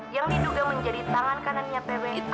yang diduga menjadi tangan kanannya pw atas pembunuhan